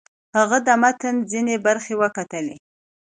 هغه د متن ځینې برخې وکتلې.